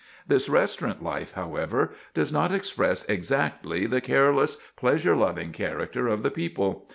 This restaurant life, however does not express exactly the careless, pleasure loving character of the people.